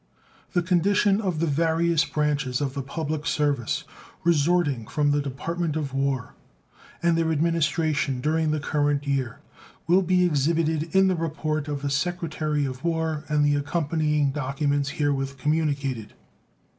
The condition of the various branches of the public service resorting from the Department of War, and their administration during the current year, will be exhibited in the report of the Secretary of War and the accompanying documents herewith communicated.